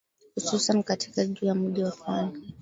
Hususani katika juu ya miji ya pwani